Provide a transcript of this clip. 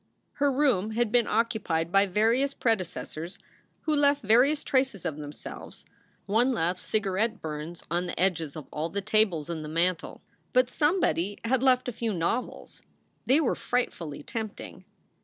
Her room had been occupied by various predecessors who left various traces of themselves ; one left cigarette burns on the edges of all the tables and the mantel. But somebody had left a few novels. They were frightfully tempting.